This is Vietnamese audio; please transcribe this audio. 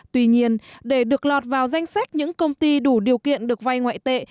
tuy nhiên để được lọt vào danh sách những công ty đủ điều kiện được vay ngoại tệ